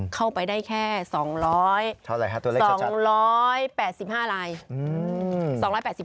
เข้าไปได้แค่๒๘๕ลาย